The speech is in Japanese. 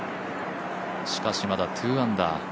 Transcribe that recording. しかし、まだ２アンダー。